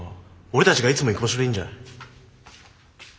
俺たちがいつも行く場所でいいんじゃない？